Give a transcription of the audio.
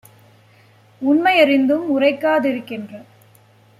உண்மை யறிந்தும் உரைக்கா திருக்கின்ற